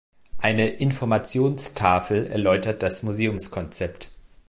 Eine Informationstafel erläutert das Museumskonzept.